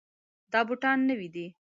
دا بوټان نوي دي.